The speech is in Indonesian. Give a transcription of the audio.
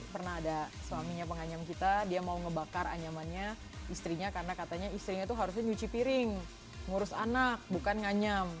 pernah ada suaminya penganyam kita dia mau ngebakar anyamannya istrinya karena katanya istrinya itu harusnya nyuci piring ngurus anak bukan nganyam